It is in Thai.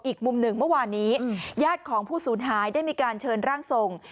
อีกมุมหนึ่งเมื่อวานนี้ญาติของผู้สูญหายได้มีการเชิญร่างทรง